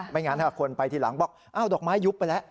ไม่งั้นถ้าคนไปทีหลังบอกอ้าวดอกไม้ยุบไปแล้ว